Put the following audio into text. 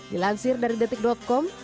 dilansir dari detik com